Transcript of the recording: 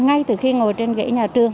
ngay từ khi ngồi trên ghế nhà trường